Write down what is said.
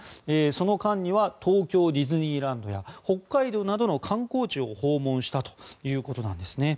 その間には東京ディズニーランドや北海道などの観光地を訪問したということなんですね。